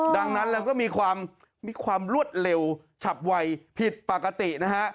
ดังนั้นเราก็มีความรวดเร็วฉับไวผิดปกตินะฮะ